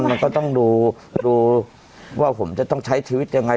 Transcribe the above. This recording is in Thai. มันก็ต้องดูว่าผมจะต้องใช้ชีวิตยังไง